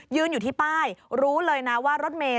อยู่ที่ป้ายรู้เลยนะว่ารถเมย